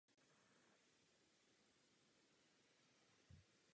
Kůru můžeme ponechat.